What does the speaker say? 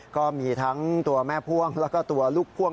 ก็มีทั้งตัวแม่พ่วงแล้วก็ตัวลูกพ่วง